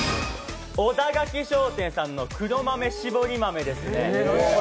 小田垣商店さんの黒豆しぼり豆ですね。